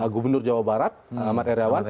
gubernur jawa barat ahmad heriawan